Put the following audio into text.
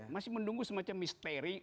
masih menunggu semacam misteri